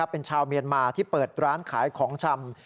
เป็นชาวเมียนมาที่เปิดร้านขายของชำ